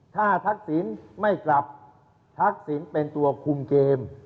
ถ้าทักษิณไม่กลับทักษิณเป็นตัวคุมเกม